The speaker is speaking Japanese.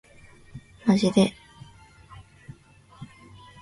マジで